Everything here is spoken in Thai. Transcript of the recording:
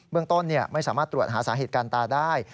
เมืองต้นไม่สามารถตรวจหาสาเหตุการณ์ตายได้